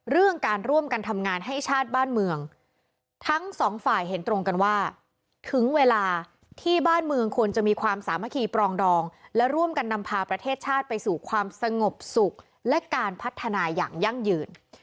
เรื่องการร่วมกันทำงานให้ชาติบ้านเมืองทั้งสองฝ่ายเห็นตรงกันว่าถึงเวลาที่บ้านเมืองควรจะมีความสามัคคีปรองดองและร่วมกันนำพาประเทศชาติไปสู่ความสงบสุขและการพัฒนาอย่างยั่งยืน